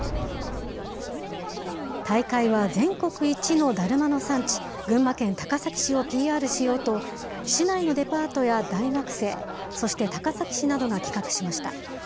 大会は全国一のだるまの産地、群馬県高崎市をＰＲしようと、市内のデパートや大学生、そして高崎市などが企画しました。